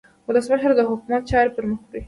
ولسمشر د حکومت چارې پرمخ وړي.